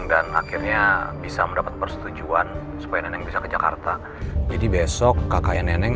dan akhirnya bisa mendapat persetujuan supaya nenek bisa ke jakarta jadi besok kakaknya nenek